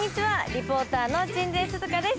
リポーターの鎮西寿々歌です。